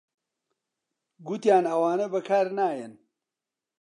گوتیان ئەوانە بەکار نایەن